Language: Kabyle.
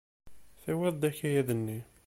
Tewwiḍ-d akayad-nni.